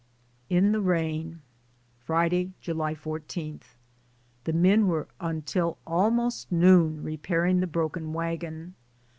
IN THE RAIN. Friday, July 14. The men were until almost noon repairing the broken wagon.